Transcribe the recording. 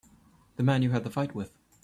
The man you had the fight with.